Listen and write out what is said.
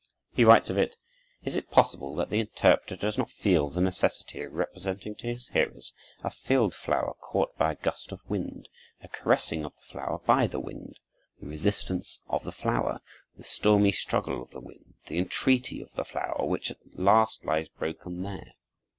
He writes of it: "Is it possible that the interpreter does not feel the necessity of representing to his hearers a field flower caught by a gust of wind, a caressing of the flower by the wind, the resistance of the flower, the stormy struggle of the wind, the entreaty of the flower, which at last lies broken there?